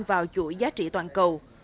vào chuỗi giá trị toàn cầu